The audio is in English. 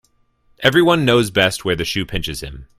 Every one knows best where the shoe pinches him.